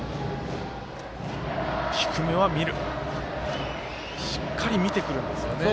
低めはしっかり見てくるんですね。